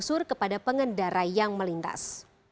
kepala pengusur kepada pengendara yang melintas